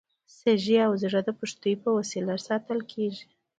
سږي او زړه د پښتیو په وسیله ساتل کېږي.